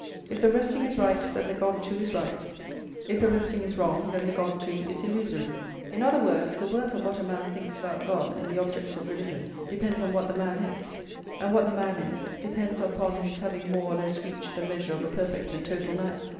If the resting is right, then the God too is right; if the resting is wrong, then the God too is illusory." In other words, the worth of what a man thinks about God and the objects of religion depends on what the man is; and what the man is, depends upon his having more or less reached the measure of a perfect and total man.